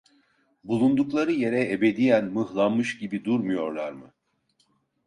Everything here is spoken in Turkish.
Bulundukları yere ebediyen mıhlanmış gibi durmuyorlar mı?